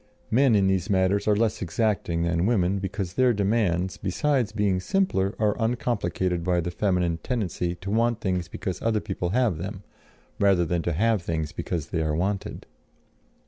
Men, in these matters, are less exacting than women, because their demands, besides being simpler, are uncomplicated by the feminine tendency to want things because other people have them, rather than to have things because they are wanted.